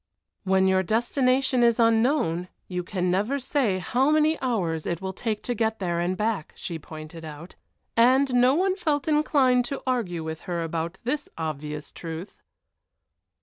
When your destination is unknown you can never say how many hours it will take to get there and back, she pointed out. And no one felt inclined to argue with her about this obvious truth!